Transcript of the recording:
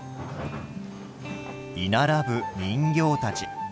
居並ぶ人形たち。